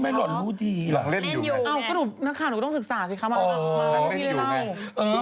ไม่เหล่านู้นดีหรอกลองเล่นอยู่ไงเอาก็หนูนักฐานหนูก็ต้องศึกษาสิครับ